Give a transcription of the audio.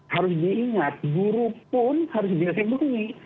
harus diingat guru pun harus dilindungi